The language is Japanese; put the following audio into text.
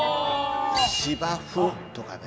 「芝生」とかね。